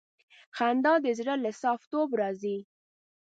خندا د زړه له صفا توب راځي.